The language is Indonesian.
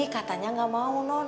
katanya gak mau non